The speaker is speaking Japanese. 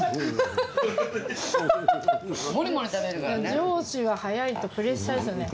上司が早いとプレッシャーですよね。